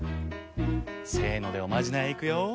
せのでおまじないいくよ。